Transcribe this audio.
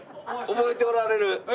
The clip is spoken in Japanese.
覚えておられる？